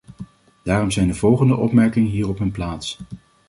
Daarom zijn de volgende opmerkingen hier op hun plaats.